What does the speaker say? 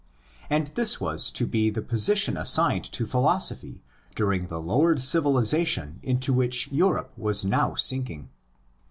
And this was to be the position assigned to philosophy during the lowered civilisation into which Europe was now sinking.